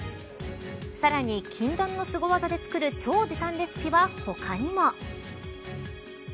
さらに禁断のすご技で作る超時短レシピは他にも。